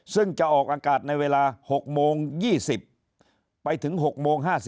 ซึ่งจะออกอากาศในเวลา๖โมง๒๐ไปถึง๖โมง๕๐